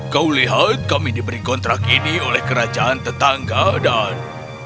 kau lihat kami diberi kontrak ini oleh kerajaan tetangga dan